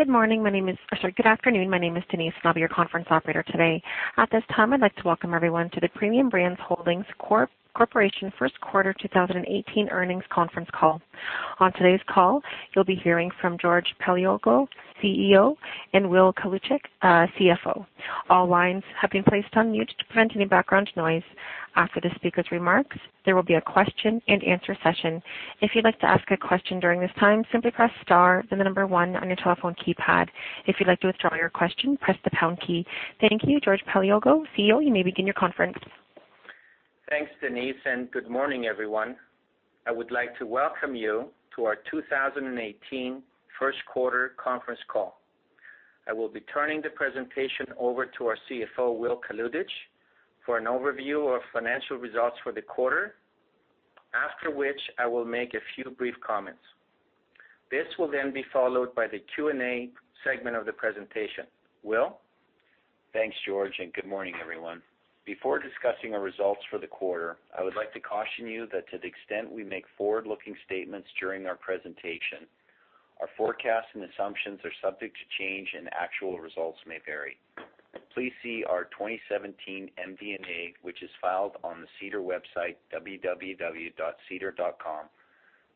Good afternoon, my name is Denise, and I'll be your conference operator today. At this time, I'd like to welcome everyone to the Premium Brands Holdings Corporation first quarter 2018 earnings conference call. On today's call, you'll be hearing from George Paleologou, CEO, and Will Kalutycz, CFO. All lines have been placed on mute to prevent any background noise. After the speaker's remarks, there will be a question-and-answer session. If you'd like to ask a question during this time, simply press star, then the number one on your telephone keypad. If you'd like to withdraw your question, press the pound key. Thank you. George Paleologou, CEO, you may begin your conference. Thanks, Denise, and good morning, everyone. I would like to welcome you to our 2018 first quarter conference call. I will be turning the presentation over to our CFO, Will Kalutycz, for an overview of financial results for the quarter. After which, I will make a few brief comments. This will then be followed by the Q&A segment of the presentation. Will? Thanks, George, and good morning, everyone. Before discussing our results for the quarter, I would like to caution you that to the extent we make forward-looking statements during our presentation, our forecasts and assumptions are subject to change and actual results may vary. Please see our 2017 MD&A, which is filed on the SEDAR website, www.sedar.com,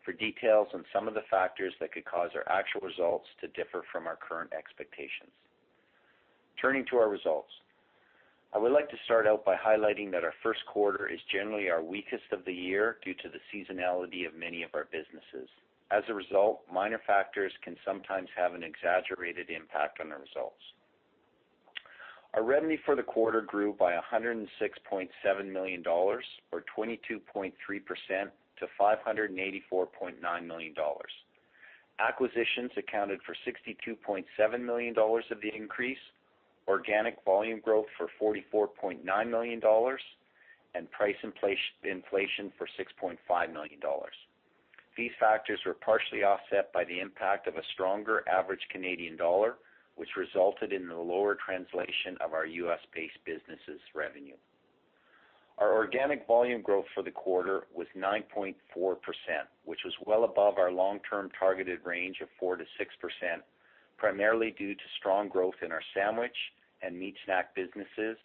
for details on some of the factors that could cause our actual results to differ from our current expectations. Turning to our results. I would like to start out by highlighting that our first quarter is generally our weakest of the year due to the seasonality of many of our businesses. As a result, minor factors can sometimes have an exaggerated impact on the results. Our revenue for the quarter grew by 106.7 million dollars, or 22.3% to 584.9 million dollars. Acquisitions accounted for 62.7 million dollars of the increase, organic volume growth for 44.9 million dollars, and price inflation for 6.5 million dollars. These factors were partially offset by the impact of a stronger average Canadian dollar, which resulted in the lower translation of our U.S.-based businesses revenue. Our organic volume growth for the quarter was 9.4%, which was well above our long-term targeted range of 4%-6%, primarily due to strong growth in our sandwich and meat snack businesses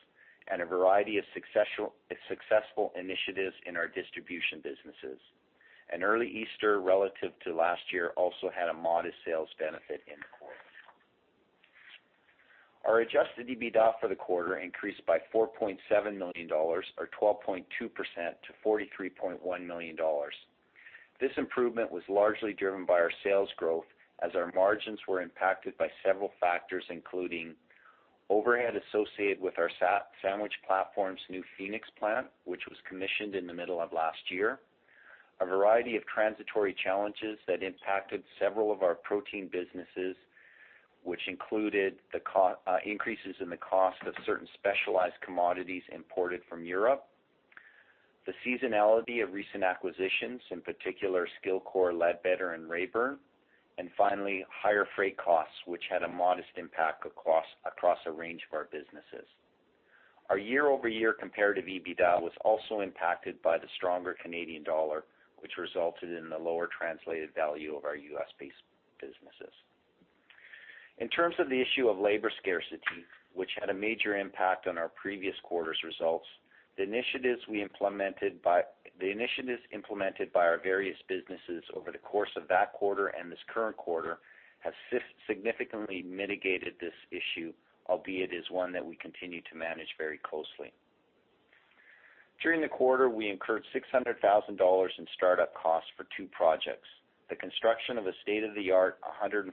and a variety of successful initiatives in our distribution businesses. An early Easter relative to last year also had a modest sales benefit in the quarter. Our adjusted EBITDA for the quarter increased by 4.7 million dollars or 12.2% to 43.1 million dollars. This improvement was largely driven by our sales growth as our margins were impacted by several factors, including overhead associated with our sandwich platform's new Phoenix plant, which was commissioned in the middle of last year, a variety of transitory challenges that impacted several of our protein businesses, which included increases in the cost of certain specialized commodities imported from Europe, the seasonality of recent acquisitions, in particular, Skilcor, Leadbetter, and Raybern's, and finally, higher freight costs, which had a modest impact across a range of our businesses. Our year-over-year comparative EBITDA was also impacted by the stronger Canadian dollar, which resulted in the lower translated value of our U.S.-based businesses. In terms of the issue of labor scarcity, which had a major impact on our previous quarter's results, the initiatives implemented by our various businesses over the course of that quarter and this current quarter has significantly mitigated this issue, albeit it is one that we continue to manage very closely. During the quarter, we incurred 600,000 dollars in start-up costs for two projects. The construction of a state-of-the-art 105,000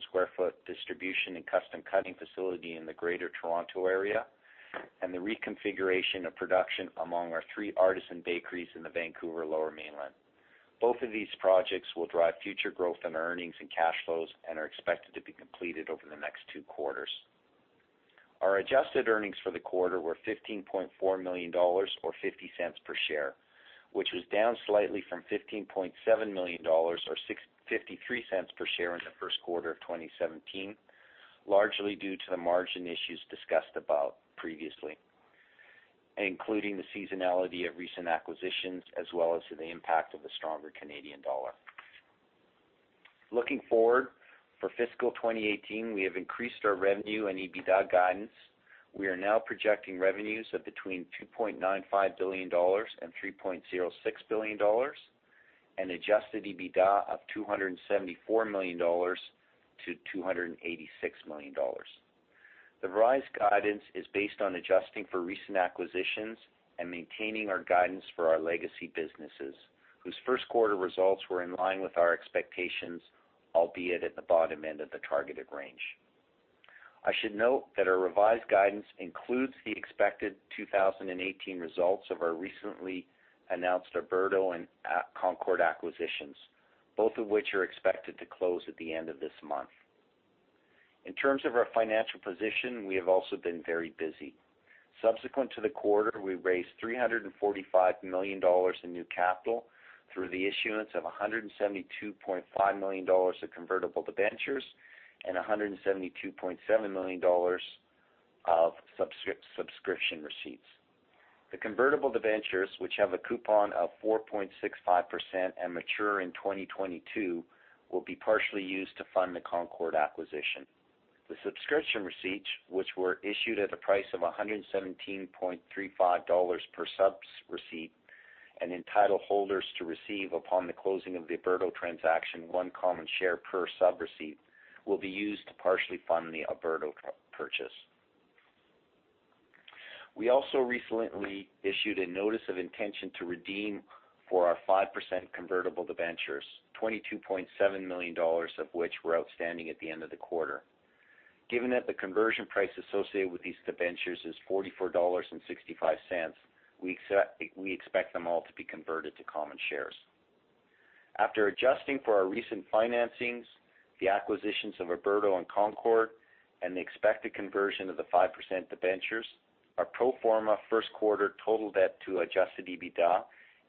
sq ft distribution and custom cutting facility in the Greater Toronto Area, and the reconfiguration of production among our three artisan bakeries in the Vancouver Lower Mainland. Both of these projects will drive future growth in earnings and cash flows and are expected to be completed over the next two quarters. Our adjusted earnings for the quarter were 15.4 million dollars or 0.50 per share, which was down slightly from 15.7 million dollars or 0.53 per share in the first quarter of 2017, largely due to the margin issues discussed previously, including the seasonality of recent acquisitions as well as the impact of the stronger Canadian dollar. Looking forward, for fiscal 2018, we have increased our revenue and EBITDA guidance. We are now projecting revenues of between 2.95 billion dollars and 3.06 billion dollars and adjusted EBITDA of 274 million-286 million dollars. The revised guidance is based on adjusting for recent acquisitions and maintaining our guidance for our legacy businesses, whose first quarter results were in line with our expectations, albeit at the bottom end of the targeted range. I should note that our revised guidance includes the expected 2018 results of our recently announced Oberto and Concord acquisitions, both of which are expected to close at the end of this month. In terms of our financial position, we have also been very busy. Subsequent to the quarter, we raised 345 million dollars in new capital through the issuance of 172.5 million dollars of convertible debentures and 172.7 million dollars of subscription receipts. The convertible debentures, which have a coupon of 4.65% and mature in 2022, will be partially used to fund the Concord acquisition. The subscription receipts, which were issued at a price of 117.35 dollars per sub receipt and entitle holders to receive upon the closing of the Oberto transaction one common share per sub receipt, will be used to partially fund the Oberto purchase. We also recently issued a notice of intention to redeem for our 5% convertible debentures, 22.7 million dollars of which were outstanding at the end of the quarter. Given that the conversion price associated with these debentures is 44.65 dollars, we expect them all to be converted to common shares. After adjusting for our recent financings, the acquisitions of Oberto and Concord, and the expected conversion of the 5% debentures, our pro forma first quarter total debt to adjusted EBITDA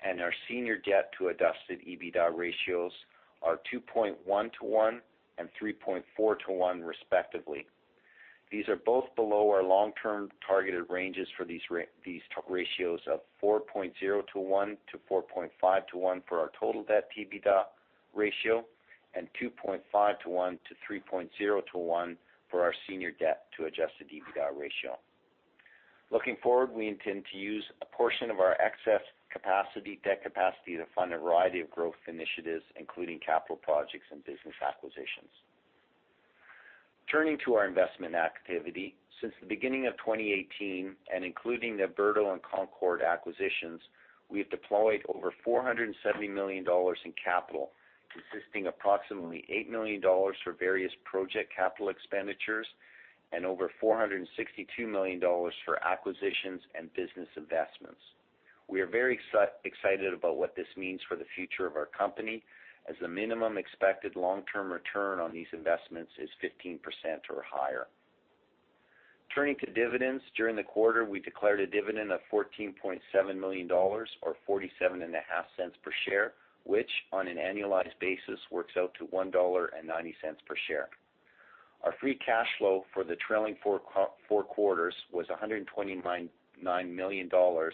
and our senior debt to adjusted EBITDA ratios are 2.1:1 and 3.4:1 respectively. These are both below our long-term targeted ranges for these ratios of 4.0:1 to 4.5:1 for our total debt EBITDA ratio and 2.5:1 to 3.0:1 for our senior debt to adjusted EBITDA ratio. Looking forward, we intend to use a portion of our excess capacity, debt capacity to fund a variety of growth initiatives, including capital projects and business acquisitions. Turning to our investment activity. Since the beginning of 2018 and including the Oberto and Concord acquisitions, we have deployed over 470 million dollars in capital, consisting approximately 8 million dollars for various project capital expenditures and over 462 million dollars for acquisitions and business investments. We are very excited about what this means for the future of our company as the minimum expected long-term return on these investments is 15% or higher. Turning to dividends. During the quarter, we declared a dividend of 14.7 million dollars or 0.475 per share, which on an annualized basis works out to 1.90 dollar per share. Our free cash flow for the trailing four quarters was 129 million dollars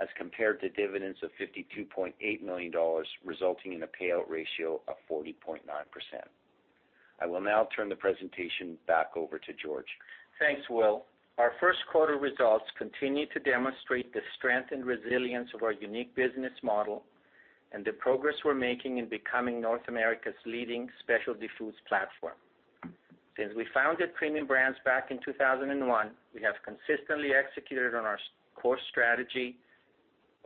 as compared to dividends of 52.8 million dollars, resulting in a payout ratio of 40.9%. I will now turn the presentation back over to George. Thanks, Will. Our first quarter results continue to demonstrate the strength and resilience of our unique business model and the progress we're making in becoming North America's leading specialty foods platform. Since we founded Premium Brands back in 2001, we have consistently executed on our core strategy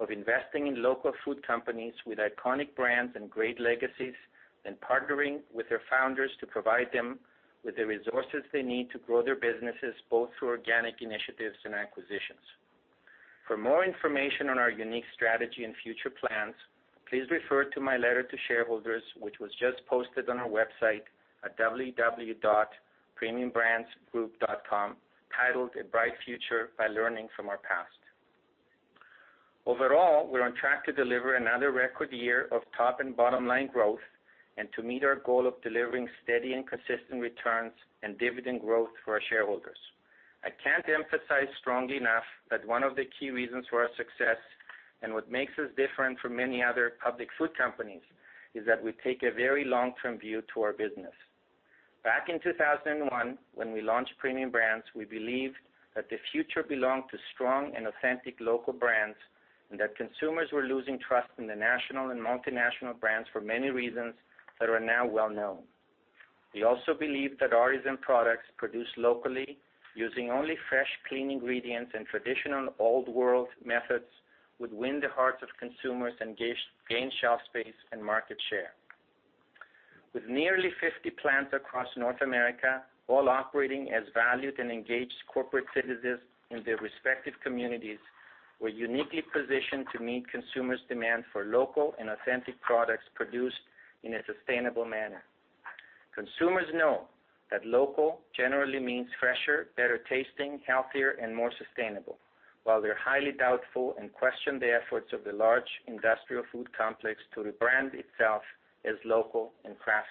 of investing in local food companies with iconic brands and great legacies and partnering with their founders to provide them with the resources they need to grow their businesses, both through organic initiatives and acquisitions. For more information on our unique strategy and future plans, please refer to my letter to shareholders, which was just posted on our website at www.premiumbrandsgroup.com, titled A Bright Future by Learning From Our Past. Overall, we're on track to deliver another record year of top and bottom-line growth and to meet our goal of delivering steady and consistent returns and dividend growth for our shareholders. I can't emphasize strongly enough that one of the key reasons for our success and what makes us different from many other public food companies is that we take a very long-term view to our business. Back in 2001, when we launched Premium Brands, we believed that the future belonged to strong and authentic local brands, and that consumers were losing trust in the national and multinational brands for many reasons that are now well known. We also believe that artisan products produced locally using only fresh, clean ingredients and traditional old world methods would win the hearts of consumers and gain shelf space and market share. With nearly 50 plants across North America, all operating as valued and engaged corporate citizens in their respective communities, we're uniquely positioned to meet consumers' demand for local and authentic products produced in a sustainable manner. Consumers know that local generally means fresher, better tasting, healthier and more sustainable. While they're highly doubtful and question the efforts of the large industrial food complex to rebrand itself as local and craft.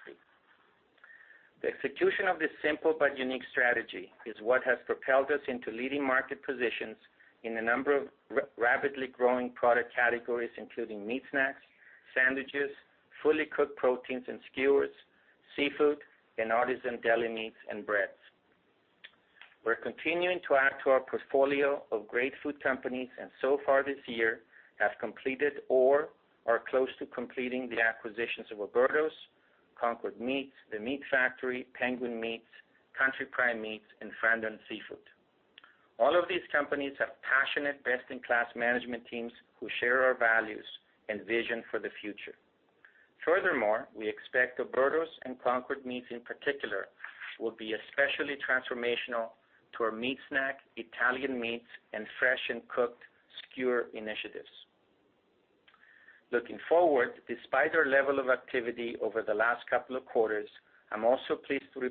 The execution of this simple but unique strategy is what has propelled us into leading market positions in a number of rapidly growing product categories including meat snacks, sandwiches, fully cooked proteins and skewers, seafood and artisan deli meats and breads. We're continuing to add to our portfolio of great food companies and so far this year have completed or are close to completing the acquisitions of Oberto, Concord Meats, The Meat Factory, Penguin Meats, Country Prime Meats, and Frandon Seafood. All of these companies have passionate, best-in-class management teams who share our values and vision for the future. Furthermore, we expect Oberto and Concord Meats in particular will be especially transformational to our meat snack, Italian meats, and fresh and cooked skewer initiatives. Looking forward, despite our level of activity over the last couple of quarters, I'm also pleased to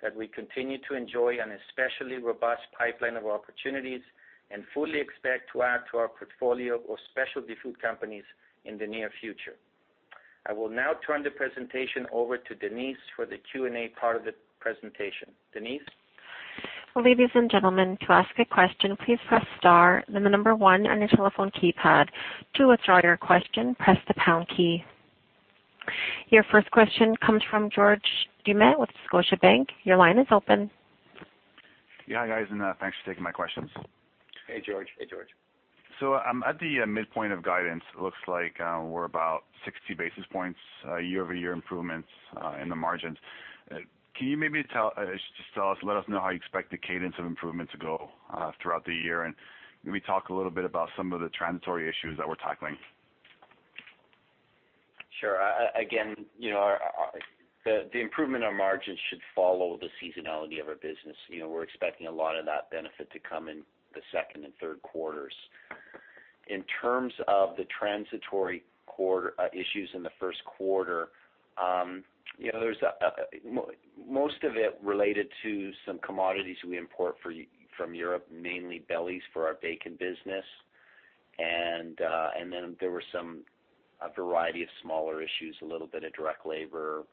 report that we continue to enjoy an especially robust pipeline of opportunities and fully expect to add to our portfolio of specialty food companies in the near future. I will now turn the presentation over to Denise for the Q&A part of the presentation. Denise? Ladies and gentlemen, to ask a question, please press star then the number one on your telephone keypad. To withdraw your question, press the pound key. Your first question comes from George Doumet with Scotiabank. Your line is open. Yeah, hi guys, and thanks for taking my questions. Hey, George. Hey, George. At the midpoint of guidance, looks like we're about 60 basis points year-over-year improvements in the margins. Can you let us know how you expect the cadence of improvements to go throughout the year, and maybe talk a little bit about some of the transitory issues that we're tackling? Sure. You know, the improvement on margins should follow the seasonality of our business. You know, we're expecting a lot of that benefit to come in the second and third quarters. In terms of the transitory issues in the first quarter, you know, there's most of it related to some commodities we import from Europe, mainly bellies for our bacon business. Then there were a variety of smaller issues, a little bit of direct labor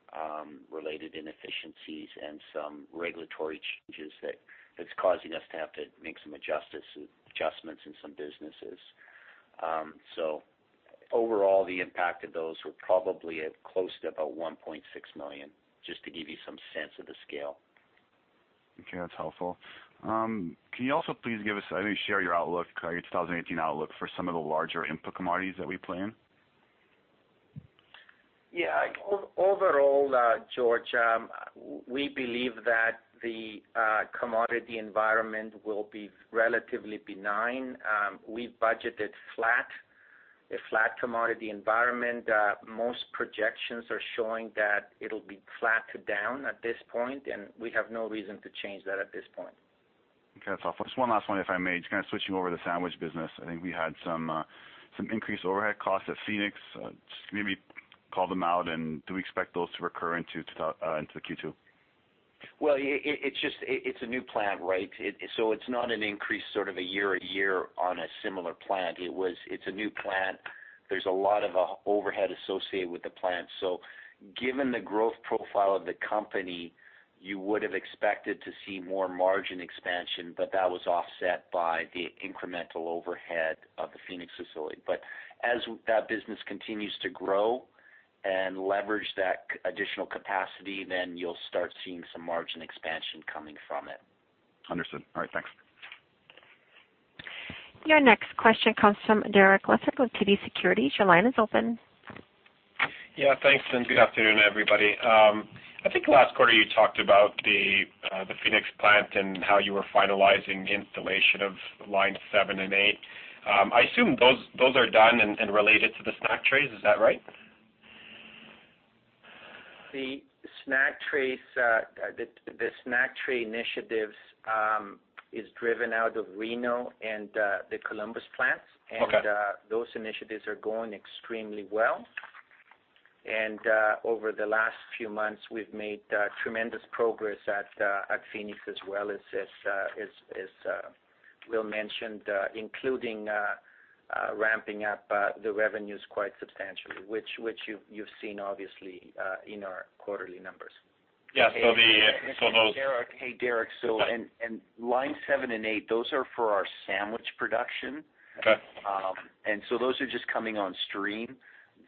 related inefficiencies and some regulatory changes that's causing us to have to make some adjustments in some businesses. Overall, the impact of those were probably at close to about 1.6 million, just to give you some sense of the scale. Okay, that's helpful. Can you also please give us maybe share your outlook, your 2018 outlook for some of the larger input commodities that we play in? Yeah. Overall, George, we believe that the commodity environment will be relatively benign. We've budgeted a flat commodity environment. Most projections are showing that it'll be flat to down at this point, and we have no reason to change that at this point. Okay, that's helpful. Just one last one, if I may. Just kinda switching over to the sandwich business. I think we had some increased overhead costs at Phoenix. Just maybe call them out, and do we expect those to recur into Q2? Well, it's just a new plant, right? It's not an increase sort of a year-to-year on a similar plant. It's a new plant. There's a lot of overhead associated with the plant. Given the growth profile of the company, you would have expected to see more margin expansion, but that was offset by the incremental overhead of the Phoenix facility. As that business continues to grow and leverage that additional capacity, you'll start seeing some margin expansion coming from it. Understood. All right. Thanks. Your next question comes from Derek Lessard with TD Securities. Your line is open. Yeah, thanks, and good afternoon, everybody. I think last quarter you talked about the Phoenix plant and how you were finalizing installation of line seven and eight. I assume those are done and related to the snack trays. Is that right? The snack trays, the snack tray initiatives, is driven out of Reno and the Columbus plants. Okay. Those initiatives are going extremely well. Over the last few months, we've made tremendous progress at Phoenix as well, as Will mentioned, including ramping up the revenues quite substantially, which you've seen obviously in our quarterly numbers. Yeah. Hey, Derek. Okay. Line seven and eight, those are for our sandwich production. Okay. Those are just coming on stream.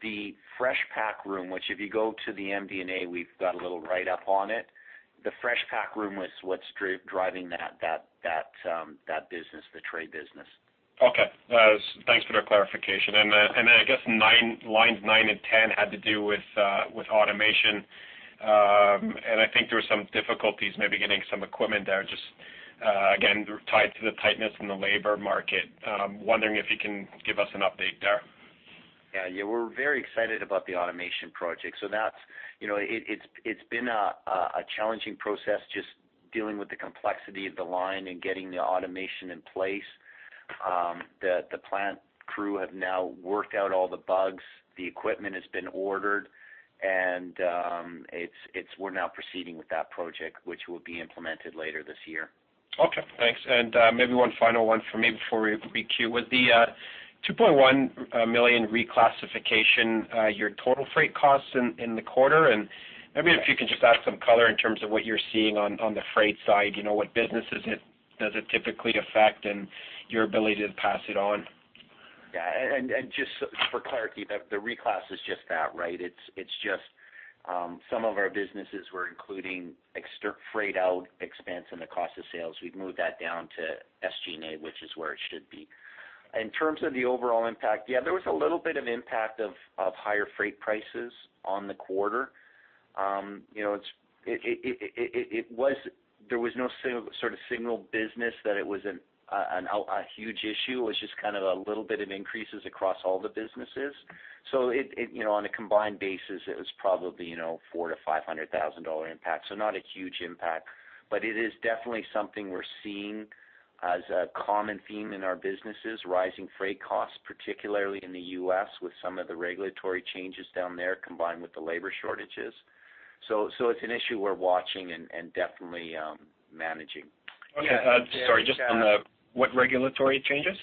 The fresh pack room, which if you go to the MD&A, we've got a little write-up on it. The fresh pack room was what's driving that business, the tray business. Okay. Thanks for the clarification. I guess lines nine and 10 had to do with automation. I think there were some difficulties maybe getting some equipment there, just again, tied to the tightness in the labor market. Wondering if you can give us an update there. Yeah. Yeah, we're very excited about the automation project. That's, you know, it's been a challenging process just dealing with the complexity of the line and getting the automation in place. The plant crew have now worked out all the bugs. The equipment has been ordered, and we're now proceeding with that project, which will be implemented later this year. Okay, thanks. Maybe one final one for me before we queue. With the 2.1 million reclassification, your total freight costs in the quarter, and maybe if you can just add some color in terms of what you're seeing on the freight side, you know, what businesses it does typically affect and your ability to pass it on. Yeah. Just for clarity, the reclass is just that, right? It's just some of our businesses were including extra freight out expense in the cost of sales. We've moved that down to SG&A, which is where it should be. In terms of the overall impact, there was a little bit of impact of higher freight prices on the quarter. It was no single business that it was a huge issue. It was just kind of a little bit of increases across all the businesses. On a combined basis, it was probably 400,000-500,000 dollar impact. Not a huge impact, but it is definitely something we're seeing as a common theme in our businesses, rising freight costs, particularly in the U.S. with some of the regulatory changes down there combined with the labor shortages. It's an issue we're watching and definitely managing. Okay. Sorry, just on the what regulatory changes?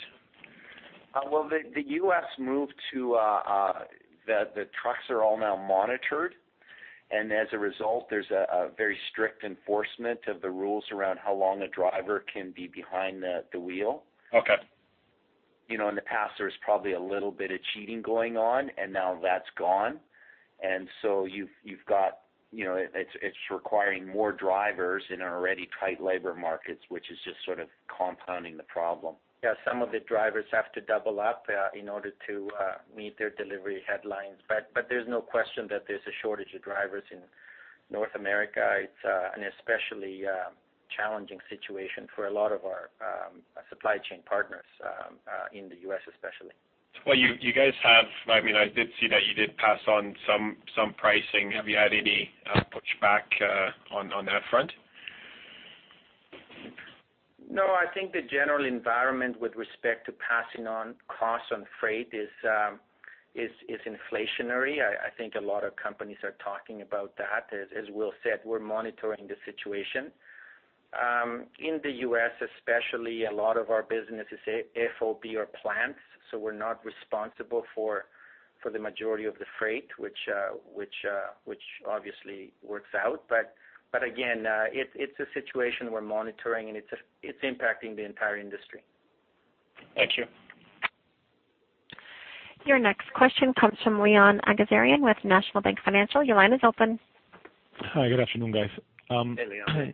Well, the trucks are all now monitored, and as a result, there's a very strict enforcement of the rules around how long a driver can be behind the wheel. Okay. You know, in the past there was probably a little bit of cheating going on, and now that's gone. You've got, you know. It's requiring more drivers in our already tight labor markets, which is just sort of compounding the problem. Yeah. Some of the drivers have to double up in order to meet their delivery headlines. There's no question that there's a shortage of drivers in North America. It's an especially challenging situation for a lot of our supply chain partners in the U.S. especially. Well, I mean, I did see that you did pass on some pricing. Have you had any pushback on that front? No, I think the general environment with respect to passing on costs on freight is inflationary. I think a lot of companies are talking about that. As Will said, we're monitoring the situation. In the U.S. especially, a lot of our business is FOB our plants, so we're not responsible for the majority of the freight, which obviously works out. Again, it's a situation we're monitoring and it's impacting the entire industry. Thank you. Your next question comes from Leon Aghazarian with National Bank Financial. Your line is open. Hi. Good afternoon, guys. Hey, Leon. Hi.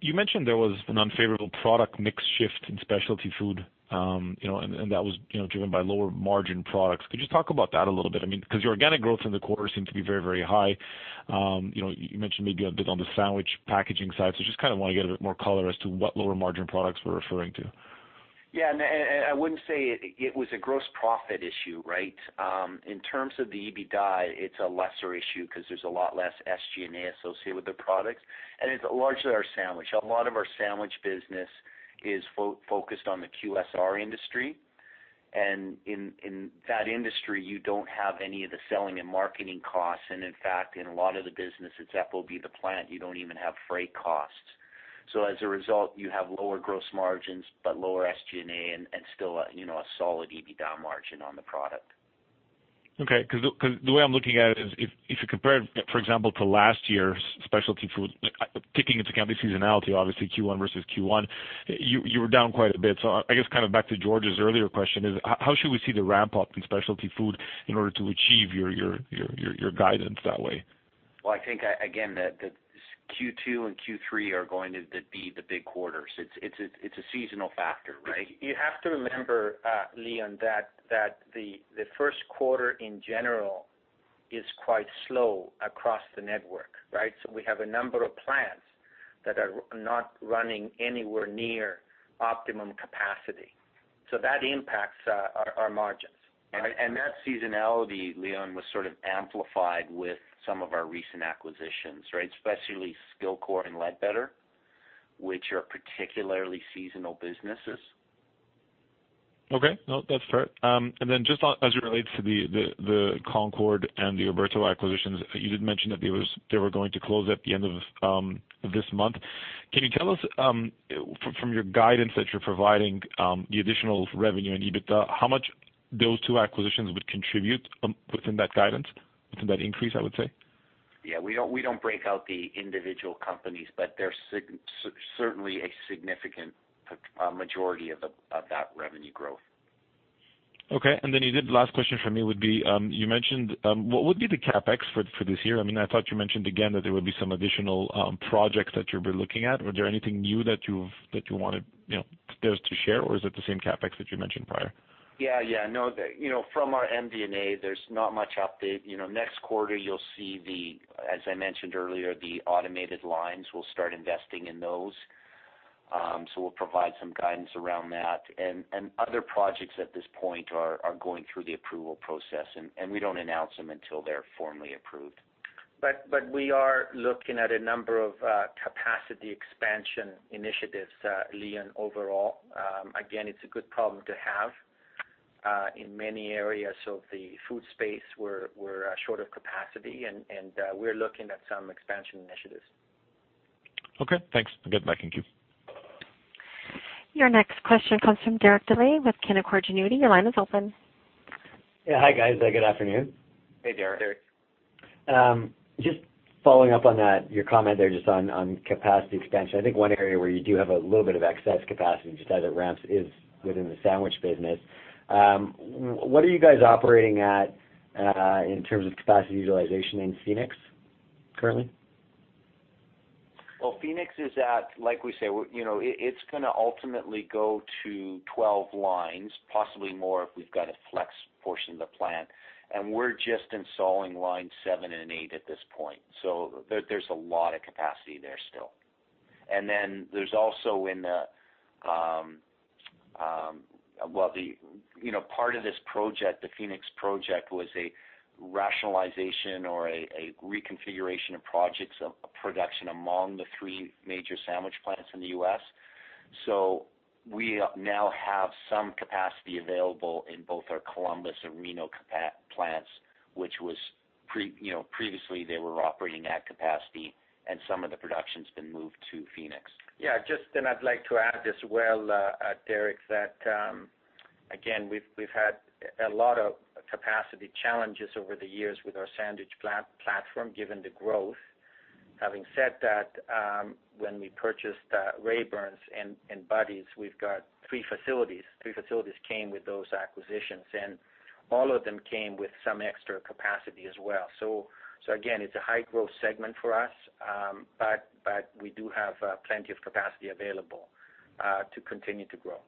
You mentioned there was an unfavorable product mix shift in specialty food, and that was driven by lower margin products. Could you talk about that a little bit? I mean, 'cause your organic growth in the quarter seemed to be very high. You mentioned maybe a bit on the sandwich packaging side. Just kinda wanna get a bit more color as to what lower margin products we're referring to. Yeah, I wouldn't say it was a gross profit issue, right? In terms of the EBITDA, it's a lesser issue 'cause there's a lot less SG&A associated with the product, and it's largely our sandwich. A lot of our sandwich business is focused on the QSR industry. In that industry, you don't have any of the selling and marketing costs. In fact, in a lot of the business, it's FOB the plant, you don't even have freight costs. As a result, you have lower gross margins, but lower SG&A and still a you know a solid EBITDA margin on the product. Okay. Cause the way I'm looking at it is if you compare, for example, to last year's specialty food, taking into account the seasonality, obviously Q1 versus Q1, you were down quite a bit. I guess kind of back to George's earlier question is how should we see the ramp up in specialty food in order to achieve your guidance that way? Well, I think again, the Q2 and Q3 are going to be the big quarters. It's a seasonal factor, right? You have to remember, Leon, that the first quarter in general is quite slow across the network, right? So we have a number of plants that are not running anywhere near optimum capacity, so that impacts our margins. That seasonality, Leon, was sort of amplified with some of our recent acquisitions, right? Especially Skilcor and Leadbetter, which are particularly seasonal businesses. Okay. No, that's fair. Just as it relates to the Concord and the Oberto acquisitions, you did mention that they were going to close at the end of this month. Can you tell us from your guidance that you're providing the additional revenue and EBITDA, how much those two acquisitions would contribute within that guidance, within that increase, I would say? Yeah. We don't break out the individual companies, but they're certainly a significant majority of that revenue growth. Okay. Last question from me would be, you mentioned what would be the CapEx for this year? I mean, I thought you mentioned again that there would be some additional projects that you've been looking at. Was there anything new that you wanted, you know, to share, or is it the same CapEx that you mentioned prior? Yeah. Yeah. No. You know, from our MD&A, there's not much update. You know, next quarter you'll see the, as I mentioned earlier, the automated lines, we'll start investing in those. So we'll provide some guidance around that. Other projects at this point are going through the approval process and we don't announce them until they're formally approved. We are looking at a number of capacity expansion initiatives, Leon, overall. Again, it's a good problem to have. In many areas of the food space, we're short of capacity and we're looking at some expansion initiatives. Okay, thanks. I'll get back in queue. Your next question comes from Derek Dley with Canaccord Genuity. Your line is open. Yeah. Hi, guys. Good afternoon. Hey, Derek. Derek. Just following up on that, your comment there just on capacity expansion. I think one area where you do have a little bit of excess capacity just as it ramps is within the sandwich business. What are you guys operating at, in terms of capacity utilization in Phoenix currently? Well, Phoenix is at, like we say, you know, it's gonna ultimately go to 12 lines, possibly more if we've got to flex portion of the plant. We're just installing line seven and eight at this point. There's a lot of capacity there still. There's also, well, you know, part of this project, the Phoenix project, was a rationalization or a reconfiguration of production among the three major sandwich plants in the U.S. We now have some capacity available in both our Columbus and Reno plants, which, you know, previously they were operating at capacity and some of the production's been moved to Phoenix. I'd like to add as well, Derek, that again, we've had a lot of capacity challenges over the years with our sandwich platform, given the growth. Having said that, when we purchased Raybern's and Buddy's, we've got three facilities. Three facilities came with those acquisitions, and all of them came with some extra capacity as well. So again, it's a high growth segment for us, but we do have plenty of capacity available to continue to grow.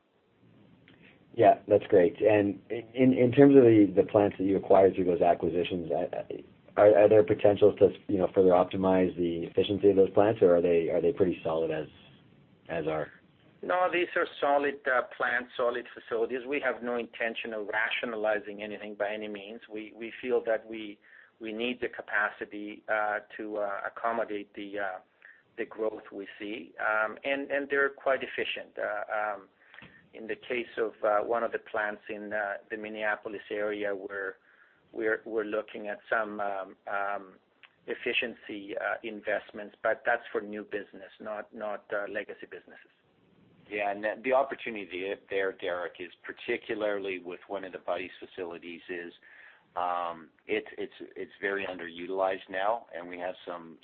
Yeah, that's great. In terms of the plants that you acquired through those acquisitions, is there potential to, you know, further optimize the efficiency of those plants, or are they pretty solid as is? No, these are solid plants, solid facilities. We have no intention of rationalizing anything by any means. We feel that we need the capacity to accommodate the growth we see. They're quite efficient. In the case of one of the plants in the Minneapolis area where we're looking at some efficiency investments, but that's for new business, not legacy businesses. Yeah. The opportunity there, Derek, is particularly with one of the Buddy's facilities. It's very underutilized now, and we have some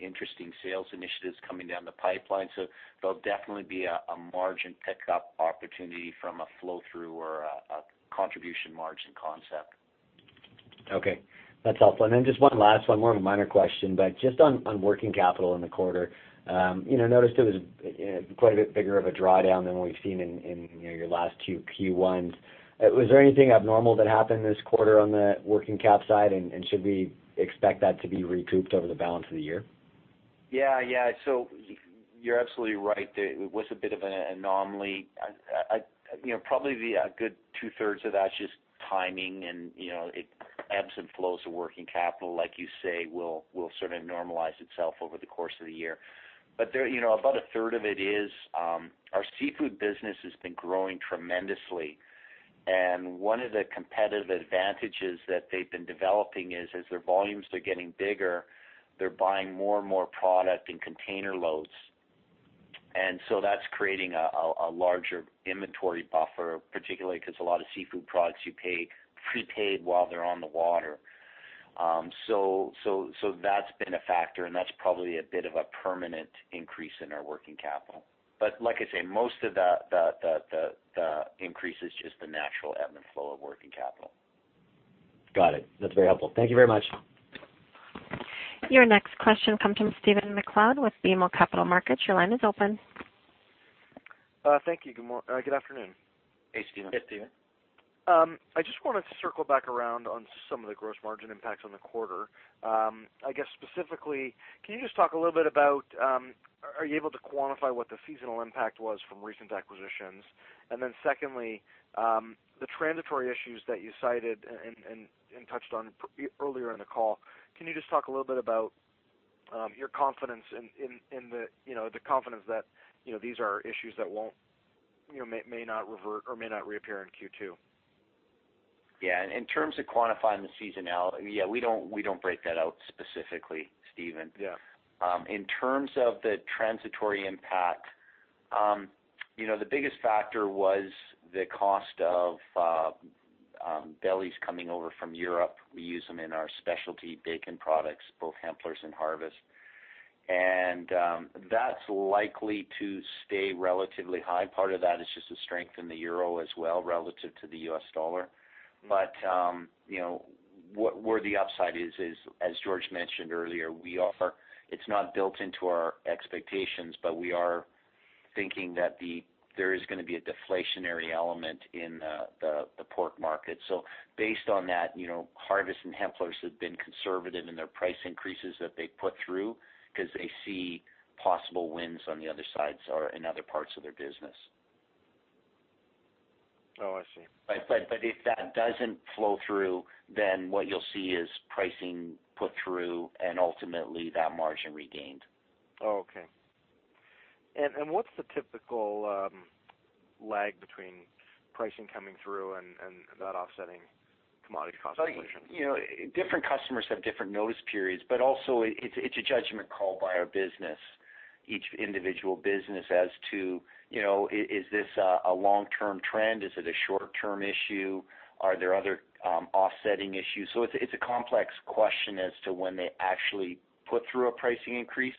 interesting sales initiatives coming down the pipeline. There'll definitely be a margin pickup opportunity from a flow-through or a contribution margin concept. Okay. That's helpful. Just one last one, more of a minor question, but just on working capital in the quarter, you know, I noticed it was, you know, quite a bit bigger of a drawdown than what we've seen in, you know, your last two Q1s. Was there anything abnormal that happened this quarter on the working cap side, and should we expect that to be recouped over the balance of the year? You're absolutely right. It was a bit of an anomaly. You know, probably a good 2/3 of that's just timing and, you know, it ebbs and flows. The working capital, like you say, will sort of normalize itself over the course of the year. You know, about a 1/3 of it is our seafood business has been growing tremendously. One of the competitive advantages that they've been developing is, as their volumes are getting bigger, they're buying more and more product in container loads. That's creating a larger inventory buffer, particularly 'cause a lot of seafood products you pay prepaid while they're on the water. That's been a factor, and that's probably a bit of a permanent increase in our working capital. Like I say, most of the increase is just the natural ebb and flow of working capital. Got it. That's very helpful. Thank you very much. Your next question comes from Stephen MacLeod with BMO Capital Markets. Your line is open. Thank you. Good afternoon. Hey, Stephen. Hey, Stephen. I just wanted to circle back around on some of the gross margin impacts on the quarter. I guess specifically, can you just talk a little bit about, are you able to quantify what the seasonal impact was from recent acquisitions? And then secondly, the transitory issues that you cited and touched on earlier in the call, can you just talk a little bit about, your confidence in the confidence that, you know, these are issues that won't, you know, may not revert or may not reappear in Q2? Yeah. In terms of quantifying the seasonality, yeah, we don't break that out specifically, Stephen. Yeah. In terms of the transitory impact, you know, the biggest factor was the cost of bellies coming over from Europe. We use them in our specialty bacon products, both Hempler's and Harvest. That's likely to stay relatively high. Part of that is just the strength in the euro as well relative to the U.S. dollar. You know, where the upside is, as George mentioned earlier, it's not built into our expectations, but we are thinking that there is gonna be a deflationary element in the pork market. Based on that, you know, Harvest and Hempler's have been conservative in their price increases that they put through 'cause they see possible wins on the other sides or in other parts of their business. Oh, I see. if that doesn't flow through, then what you'll see is pricing put through and ultimately that margin regained. Oh, okay. What's the typical lag between pricing coming through and that offsetting commodity cost inflation? You know, different customers have different notice periods, but also it's a judgment call by our business, each individual business as to, you know, is this a long-term trend? Is it a short-term issue? Are there other offsetting issues? It's a complex question as to when they actually put through a pricing increase.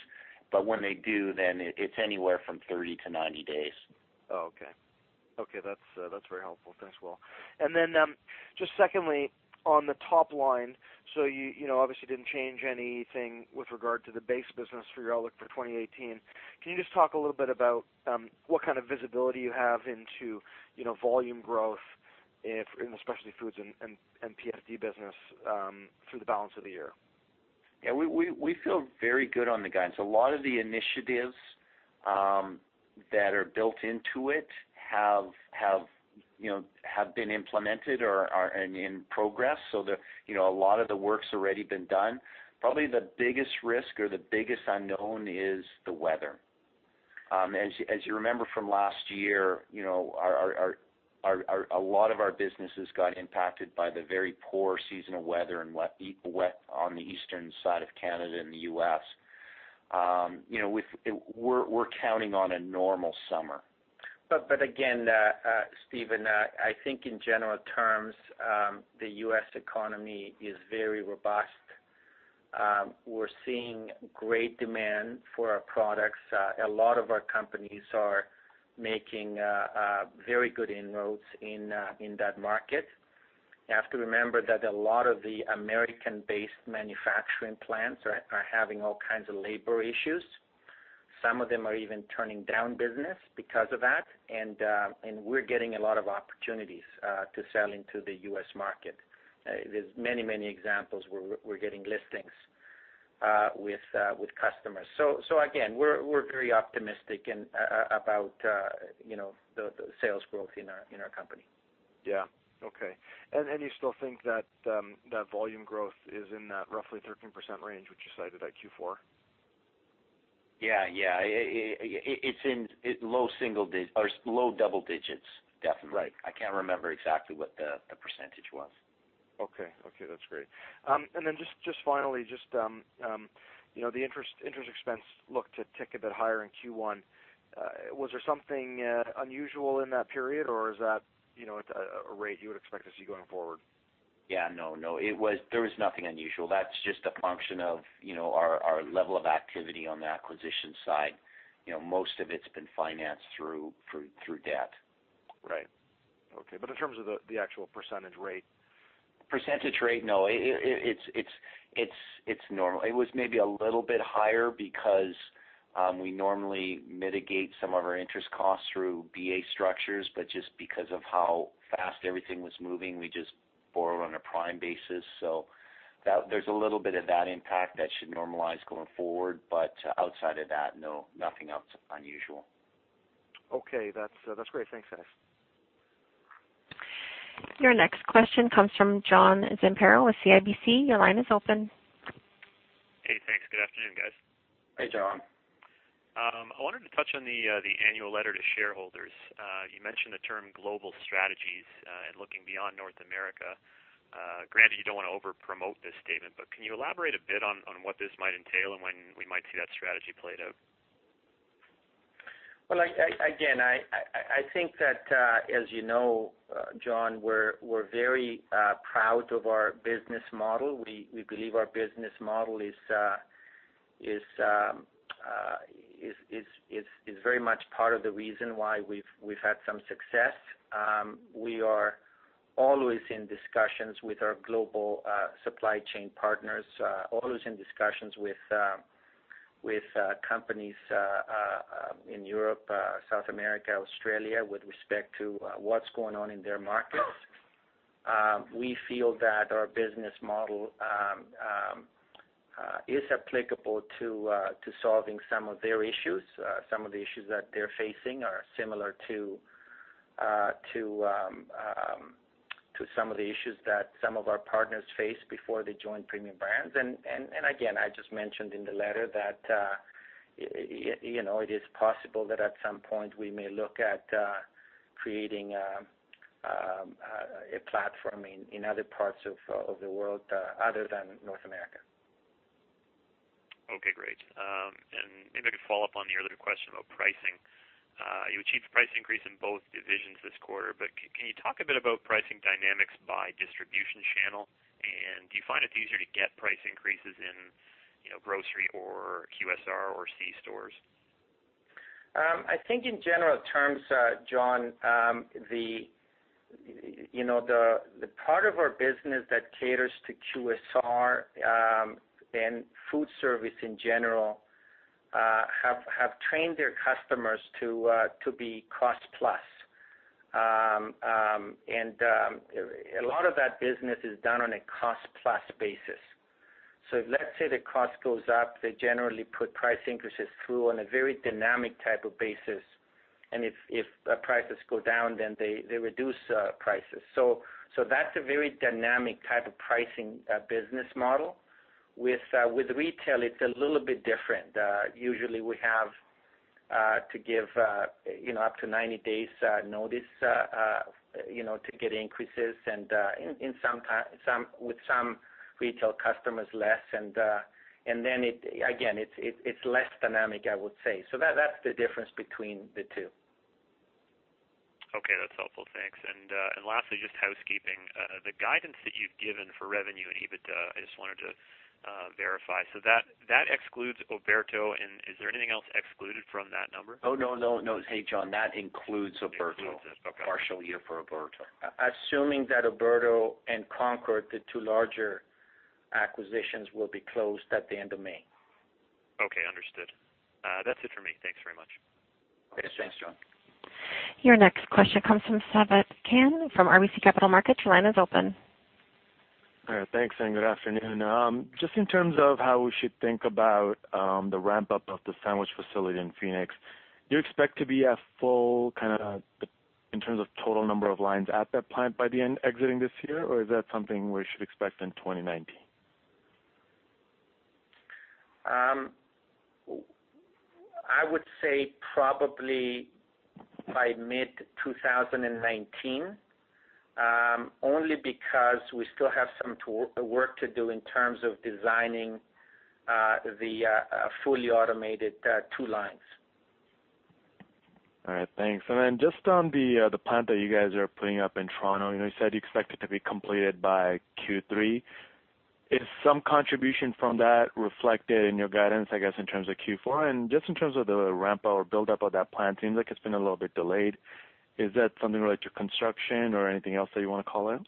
But when they do, it's anywhere from 30-90 days. Oh, okay. Okay, that's very helpful. Thanks, Will. Just secondly, on the top line, so you know, obviously didn't change anything with regard to the base business for your outlook for 2018. Can you just talk a little bit about what kind of visibility you have into, you know, volume growth in the specialty foods and PFD business through the balance of the year? Yeah. We feel very good on the guidance. A lot of the initiatives that are built into it, you know, have been implemented or are in progress. You know, a lot of the work's already been done. Probably the biggest risk or the biggest unknown is the weather. As you remember from last year, you know, a lot of our businesses got impacted by the very poor seasonal weather and wet on the eastern side of Canada and the U.S. You know, we're counting on a normal summer. Again, Stephen, I think in general terms, the U.S. economy is very robust. We're seeing great demand for our products. A lot of our companies are making very good inroads in that market. You have to remember that a lot of the American-based manufacturing plants are having all kinds of labor issues. Some of them are even turning down business because of that. We're getting a lot of opportunities to sell into the U.S. market. There are many examples where we're getting listings with customers. Again, we're very optimistic about you know the sales growth in our company. Yeah. Okay. You still think that volume growth is in that roughly 13% range, which you cited at Q4? Yeah, yeah. It's in low single or low double digits, definitely. Right. I can't remember exactly what the percentage was. Okay. That's great. Just finally, you know, the interest expense looked to tick a bit higher in Q1. Was there something unusual in that period, or is that, you know, a rate you would expect to see going forward? Yeah, no. There was nothing unusual. That's just a function of, you know, our level of activity on the acquisition side. You know, most of it's been financed through debt. Right. Okay. In terms of the actual percentage rate? Percentage rate? No. It's normal. It was maybe a little bit higher because we normally mitigate some of our interest costs through BA structures, but just because of how fast everything was moving, we just borrowed on a prime basis. There's a little bit of that impact that should normalize going forward. Outside of that, no, nothing else unusual. Okay. That's great. Thanks, guys. Your next question comes from John Zamparo with CIBC. Your line is open. Hey, thanks. Good afternoon, guys. Hey, John. I wanted to touch on the annual letter to shareholders. You mentioned the term global strategies and looking beyond North America. Granted you don't wanna over promote this statement, but can you elaborate a bit on what this might entail and when we might see that strategy played out? Well, I think that, as you know, John, we're very proud of our business model. We believe our business model is very much part of the reason why we've had some success. We are always in discussions with our global supply chain partners, always in discussions with companies in Europe, South America, Australia, with respect to what's going on in their markets. We feel that our business model is applicable to solving some of their issues. Some of the issues that they're facing are similar to some of the issues that some of our partners faced before they joined Premium Brands. Again, I just mentioned in the letter that you know it is possible that at some point we may look at creating a platform in other parts of the world other than North America. Okay, great. Maybe I could follow up on your other question about pricing. You achieved a price increase in both divisions this quarter, but can you talk a bit about pricing dynamics by distribution channel? Do you find it's easier to get price increases in, you know, grocery or QSR or C stores? I think in general terms, John, you know, the part of our business that caters to QSR and food service in general have trained their customers to be cost-plus. A lot of that business is done on a cost-plus basis. Let's say the cost goes up, they generally put price increases through on a very dynamic type of basis. If prices go down, then they reduce prices. That's a very dynamic type of pricing business model. With retail, it's a little bit different. Usually, we have to give you know up to 90 days notice you know to get increases, and in some with some retail customers less. It's less dynamic, I would say. That's the difference between the two. Okay. That's helpful. Thanks. Lastly, just housekeeping. The guidance that you've given for revenue and EBITDA, I just wanted to verify. That excludes Oberto, and is there anything else excluded from that number? Oh, no, no. Hey, John Zamparo, that includes Oberto. Includes it. Okay. Partial year for Oberto. Assuming that Oberto and Concord, the two larger acquisitions, will be closed at the end of May. Okay, understood. That's it for me. Thanks very much. Okay. Thanks, John. Your next question comes from Sabahat Khan from RBC Capital Markets. Your line is open. Thanks, good afternoon. Just in terms of how we should think about the ramp-up of the sandwich facility in Phoenix, do you expect to be at full kinda in terms of total number of lines at that plant by the end of this year, or is that something we should expect in 2019? I would say probably by mid-2019, only because we still have some work to do in terms of designing the fully automated two lines. All right, thanks. Then just on the plant that you guys are putting up in Toronto, you know, you said you expect it to be completed by Q3. Is some contribution from that reflected in your guidance, I guess, in terms of Q4? Just in terms of the ramp up or build up of that plant, seems like it's been a little bit delayed. Is that something related to construction or anything else that you wanna call in?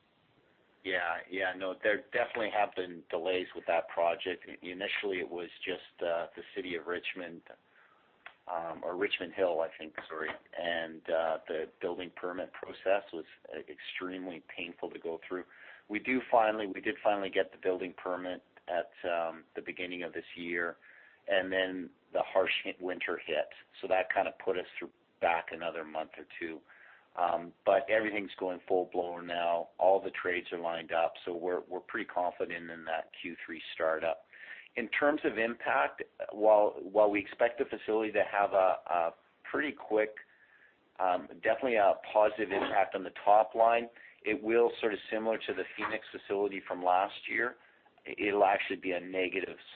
No, there definitely have been delays with that project. Initially, it was just the City of Richmond or Richmond Hill, I think, sorry. The building permit process was extremely painful to go through. We did finally get the building permit at the beginning of this year, and then the harsh winter hit, so that kind of put us back another month or two. Everything's going full-blown now. All the trades are lined up, so we're pretty confident in that Q3 startup. In terms of impact, while we expect the facility to have a pretty quick, definitely a positive impact on the top line, it will sort of similar to the Phoenix facility from last year. It'll actually be a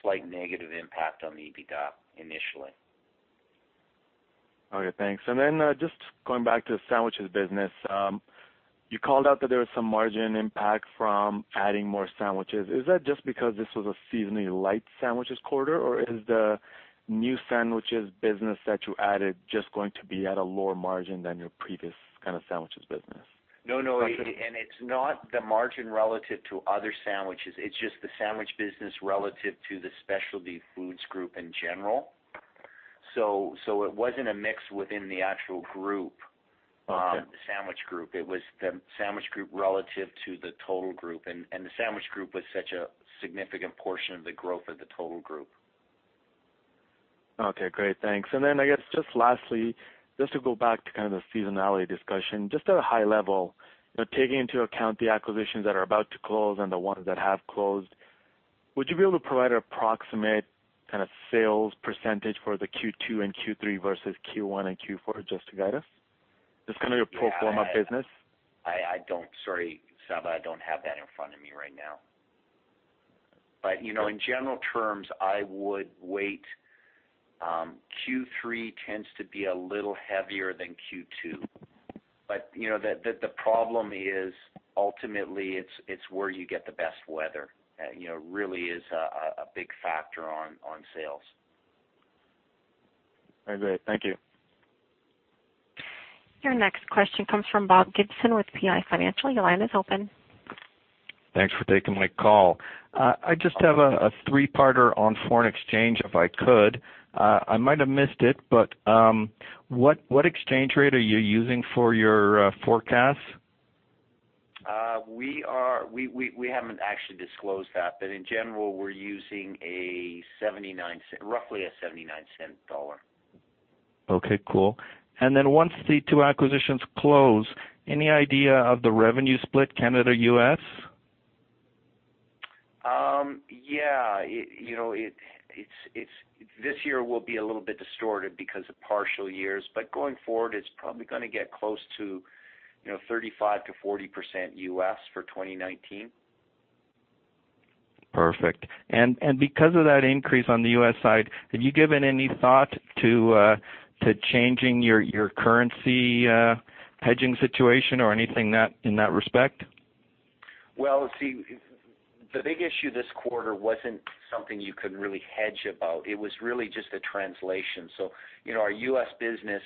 slight negative impact on the EBITDA initially. Okay, thanks. Then, just going back to the sandwiches business. You called out that there was some margin impact from adding more sandwiches. Is that just because this was a seasonally light sandwiches quarter, or is the new sandwiches business that you added just going to be at a lower margin than your previous kind of sandwiches business? No, no. It's not the margin relative to other sandwiches. It's just the sandwich business relative to the specialty foods group in general. It wasn't a mix within the actual group. Okay... the sandwich group. It was the sandwich group relative to the total group. The sandwich group was such a significant portion of the growth of the total group. Okay, great. Thanks. I guess just lastly, just to go back to kind of the seasonality discussion, just at a high level, you know, taking into account the acquisitions that are about to close and the ones that have closed, would you be able to provide an approximate kind of sales percentage for the Q2 and Q3 versus Q1 and Q4 just to guide us? Just kind of your pro forma business. I don't. Sorry, Sabahat, I don't have that in front of me right now. You know, in general terms, I would say Q3 tends to be a little heavier than Q2. You know, the problem is ultimately it's where you get the best weather. You know, really is a big factor on sales. Very good. Thank you. Your next question comes from Bob Gibson with PI Financial. Your line is open. Thanks for taking my call. I just have a three-parter on foreign exchange, if I could. I might have missed it, but what exchange rate are you using for your forecast? We haven't actually disclosed that. In general, we're using roughly a [0.79-1 dollar]. Okay, cool. Once the two acquisitions close, any idea of the revenue split, Canada, U.S.? Yeah. You know, this year will be a little bit distorted because of partial years, but going forward, it's probably gonna get close to, you know, 35%-40% U.S. for 2019. Perfect. Because of that increase on the U.S. side, have you given any thought to changing your currency hedging situation or anything in that respect? Well, see, the big issue this quarter wasn't something you can really hedge about. It was really just a translation. You know, our U.S. business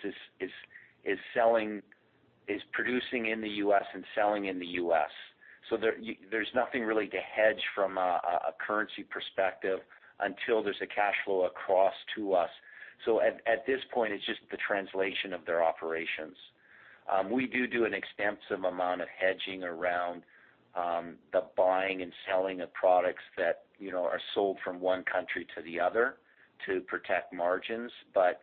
is producing in the U.S. and selling in the U.S. There's nothing really to hedge from a currency perspective until there's a cash flow across to us. At this point, it's just the translation of their operations. We do an extensive amount of hedging around the buying and selling of products that, you know, are sold from one country to the other to protect margins.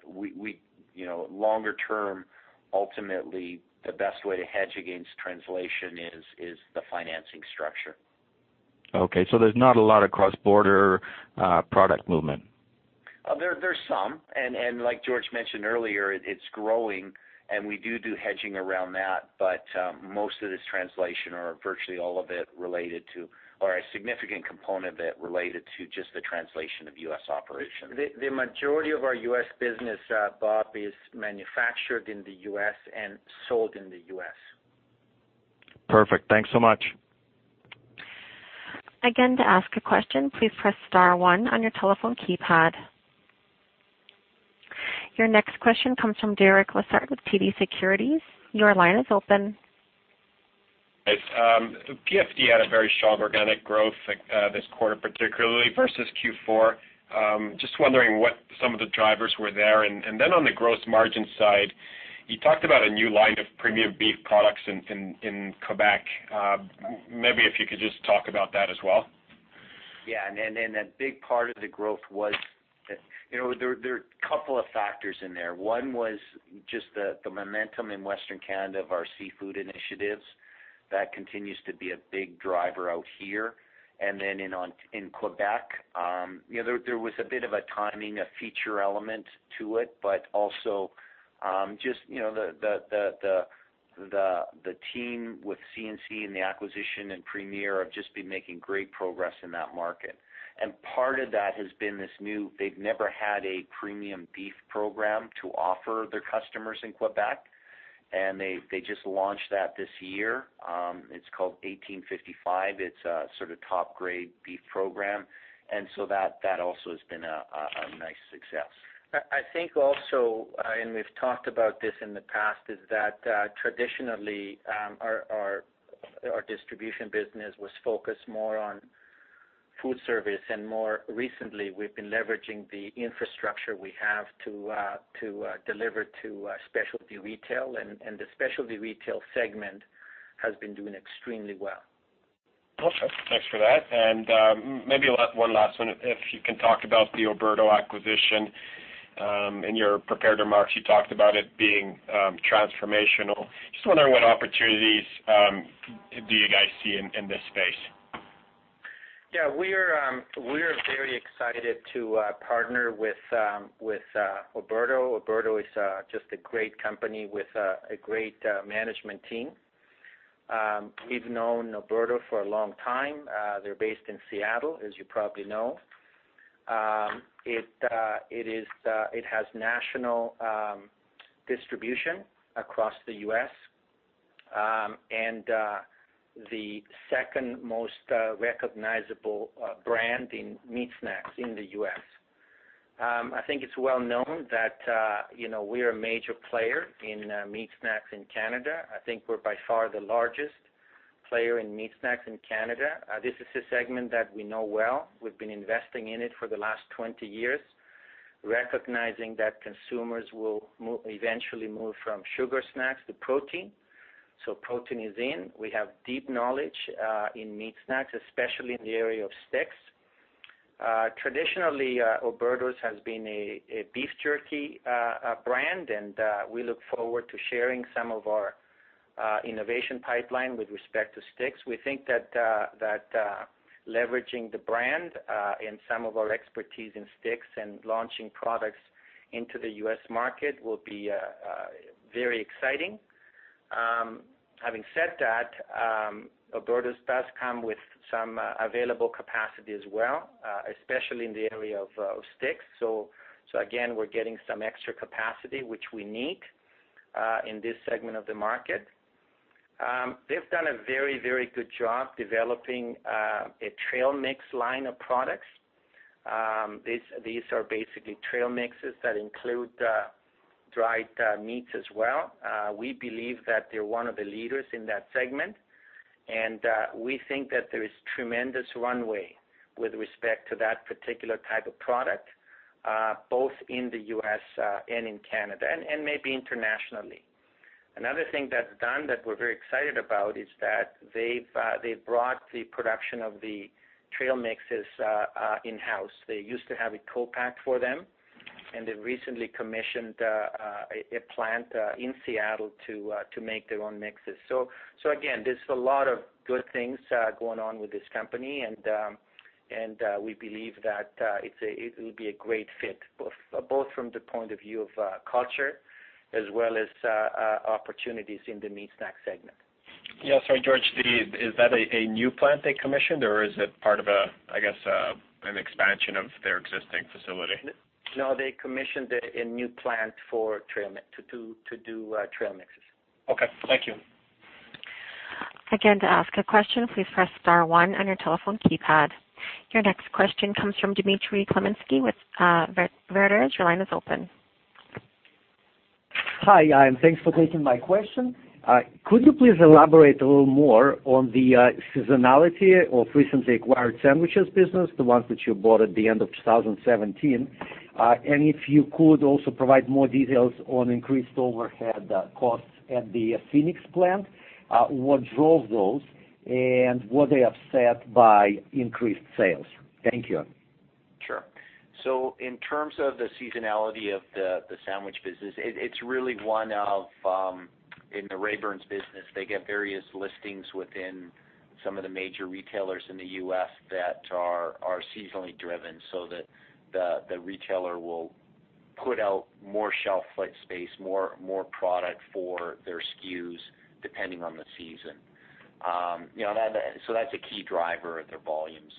We you know, longer term, ultimately, the best way to hedge against translation is the financing structure. Okay, there's not a lot of cross-border product movement? There are some. Like George mentioned earlier, it's growing, and we do hedging around that. Most of this translation or virtually all of it related to or a significant component of it related to just the translation of U.S. operations. The majority of our U.S. business, Bob, is manufactured in the U.S. and sold in the U.S. Perfect. Thanks so much. Again, to ask a question, please press star one on your telephone keypad. Your next question comes from Derek Lessard with TD Securities. Your line is open. PFD had a very strong organic growth this quarter, particularly versus Q4. Just wondering what some of the drivers were there. On the gross margin side, you talked about a new line of premium beef products in Quebec. Maybe if you could just talk about that as well. A big part of the growth was, you know, there are a couple of factors in there. One was just the momentum in Western Canada of our seafood initiatives. That continues to be a big driver out here. In Quebec. There was a bit of a timing, a feature element to it, but also, just, you know, the team with C&C and the acquisition and Premier have just been making great progress in that market. Part of that has been this new. They've never had a premium beef program to offer their customers in Quebec, and they just launched that this year. It's called 1855. It's a sort of top-grade beef program. That also has been a nice success. I think also and we've talked about this in the past is that traditionally our distribution business was focused more on food service, and more recently we've been leveraging the infrastructure we have to deliver to specialty retail. The specialty retail segment has been doing extremely well. Awesome. Thanks for that. Maybe one last one, if you can talk about the Oberto acquisition. In your prepared remarks, you talked about it being transformational. Just wondering what opportunities do you guys see in this space? Yeah. We're very excited to partner with Oberto. Oberto is just a great company with a great management team. We've known Oberto for a long time. They're based in Seattle, as you probably know. It has national distribution across the U.S., and the second most recognizable brand in meat snacks in the U.S. I think it's well known that, you know, we're a major player in meat snacks in Canada. I think we're by far the largest player in meat snacks in Canada. This is a segment that we know well. We've been investing in it for the last 20 years, recognizing that consumers will eventually move from sugar snacks to protein. Protein is in. We have deep knowledge in meat snacks, especially in the area of sticks. Traditionally, Oberto's has been a beef jerky brand, and we look forward to sharing some of our innovation pipeline with respect to sticks. We think that leveraging the brand and some of our expertise in sticks and launching products into the U.S. market will be very exciting. Having said that, Oberto's does come with some available capacity as well, especially in the area of steaks. Again, we're getting some extra capacity which we need in this segment of the market. They've done a very good job developing a trail mix line of products. These are basically trail mixes that include dried meats as well. We believe that they're one of the leaders in that segment, and we think that there is tremendous runway with respect to that particular type of product both in the U.S. and in Canada and maybe internationally. Another thing that's done that we're very excited about is that they've brought the production of the trail mixes in-house. They used to have a co-pack for them, and they've recently commissioned a plant in Seattle to make their own mixes. Again, there's a lot of good things going on with this company and we believe that it will be a great fit both from the point of view of culture as well as opportunities in the meat snack segment. Yeah. Sorry, George, is that a new plant they commissioned or is it part of a, I guess, an expansion of their existing facility? No, they commissioned a new plant for trail mix to do trail mixes. Okay, thank you. Again, to ask a question, please press one on your telephone keypad. Your next question comes from Dimitry Khmelnitsky with Veritas. Your line is open. Hi, and thanks for taking my question. Could you please elaborate a little more on the seasonality of recently acquired sandwiches business, the ones which you bought at the end of 2017? If you could also provide more details on increased overhead costs at the Phoenix plant, what drove those and were they offset by increased sales? Thank you. Sure. In terms of the seasonality of the sandwich business, it's really one of, in the Raybern's business, they get various listings within some of the major retailers in the U.S. that are seasonally driven so that the retailer will put out more shelf space, more product for their SKUs depending on the season. You know, that's a key driver of their volumes.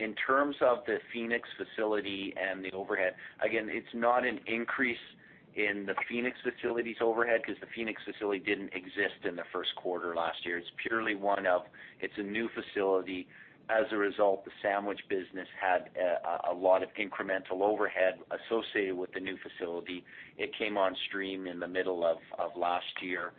In terms of the Phoenix facility and the overhead, again, it's not an increase in the Phoenix facility's overhead because the Phoenix facility didn't exist in the first quarter last year. It's purely one of, it's a new facility. As a result, the sandwich business had a lot of incremental overhead associated with the new facility. It came on stream in the middle of last year.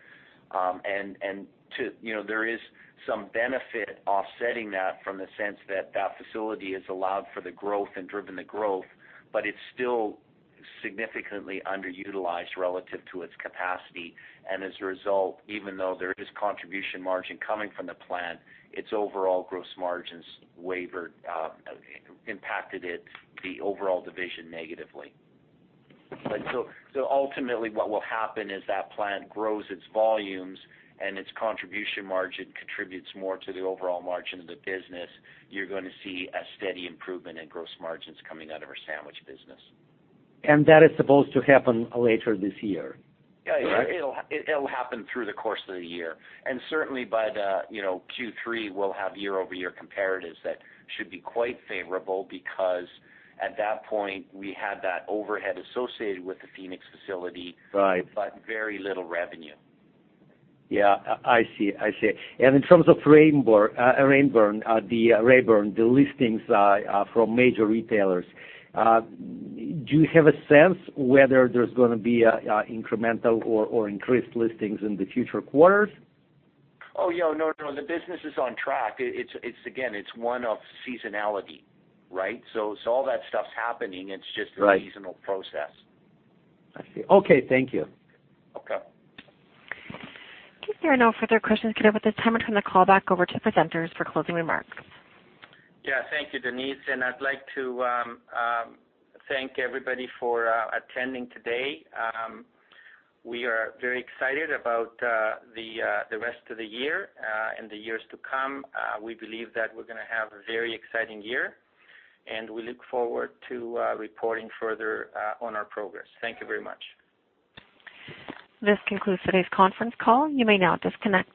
You know, there is some benefit offsetting that from the sense that that facility has allowed for the growth and driven the growth, but it's still significantly underutilized relative to its capacity. As a result, even though there is contribution margin coming from the plant, its overall gross margins wavered, impacted it, the overall division negatively. Ultimately what will happen is that plant grows its volumes and its contribution margin contributes more to the overall margin of the business. You're gonna see a steady improvement in gross margins coming out of our sandwich business. That is supposed to happen later this year? Yeah. It'll happen through the course of the year. Certainly by the, you know, Q3 we'll have year-over-year comparatives that should be quite favorable because at that point we had that overhead associated with the Phoenix facility. Right. Very little revenue. Yeah. I see. In terms of Raybern's, the listings from major retailers, do you have a sense whether there's gonna be a incremental or increased listings in the future quarters? Oh, yeah. No, the business is on track. It's again, it's one of seasonality, right? All that stuff's happening. It's just a seasonal process. I see. Okay, thank you. Okay. There are no further questions here at this time. I turn the call back over to presenters for closing remarks. Yeah. Thank you, Denise, and I'd like to thank everybody for attending today. We are very excited about the rest of the year and the years to come. We believe that we're gonna have a very exciting year, and we look forward to reporting further on our progress. Thank you very much. This concludes today's conference call. You may now disconnect.